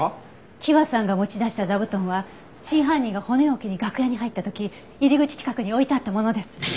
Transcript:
希和さんが持ち出した座布団は真犯人が骨を置きに楽屋に入った時入り口近くに置いてあったものです。